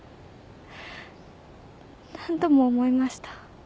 何度も思いました。